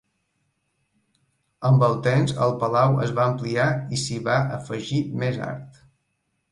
Amb el temps el palau es va ampliar i s'hi va afegir més art.